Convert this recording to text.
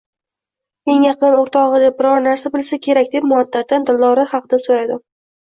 Eng yaqin oʻrtogʻi biror narsa bilsa kerak deb, Muattardan Dildora haqida soʻradim.